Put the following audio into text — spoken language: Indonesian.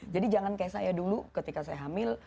jadi jangan kayak saya dulu ketika saya hamil